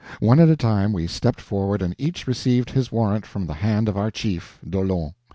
One at a time we stepped forward and each received his warrant from the hand of our chief, D'Aulon.